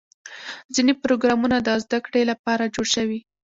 ځینې پروګرامونه د زدهکړې لپاره جوړ شوي.